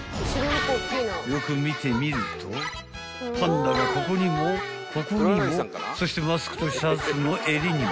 ［よく見てみるとパンダがここにもここにも］［そしてマスクとシャツの襟にも］